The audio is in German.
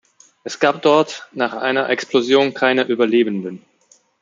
Es gab dort nach einer Explosion keine Überlebenden.